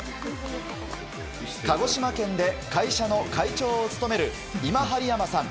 鹿児島県で会社の会長を務める今針山さん。